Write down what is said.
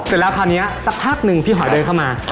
เสร็จแล้วคราวนี้สักพักหนึ่งพี่หอยเดินเข้ามา